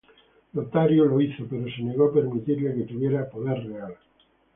Lotario lo hizo, pero se negó a permitirle que tuviera poder real.